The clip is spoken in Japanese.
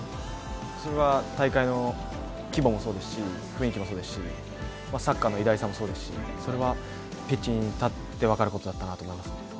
それは大会の規模もそうですし雰囲気もそうですしサッカーの偉大さもそうですしそれはピッチに立って分かることだったなと思います。